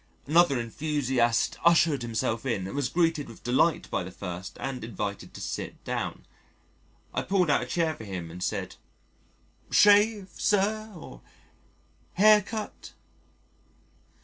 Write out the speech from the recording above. Another enthusiast ushered himself in, was greeted with delight by the first and invited to sit down. I pulled out a chair for him and said: "Shave, sir, or hair cut?"